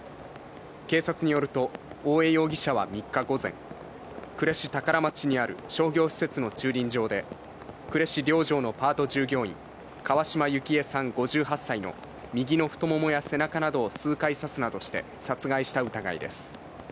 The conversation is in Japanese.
警察によると大江容疑者は３日午前、呉市宝町にある商業施設の駐輪場で、呉市両城のパート従業員、川島雪枝さん５８歳の右の太ももや背中などを数回刺すなどして殺害した疑いです。